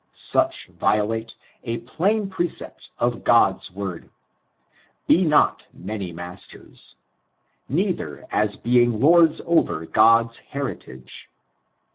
Such violate a plain precept of God's word: — "Be not nmny masters;" "neither as being lords over God's heritage."